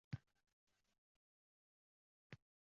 Faqat, kechagina bilib qoldi